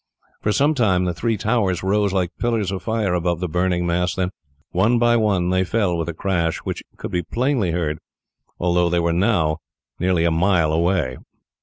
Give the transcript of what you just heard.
For some time the three towers rose like pillars of fire above the burning mass; then one by one they fell with a crash, which could be plainly heard, although they were now near a mile away.